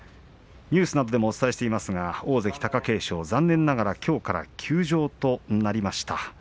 ニュースなどでもお伝えしていますが大関貴景勝は残念ながらきょうから休場となりました。